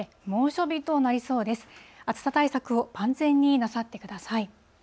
暑さ対策を万全になさってください。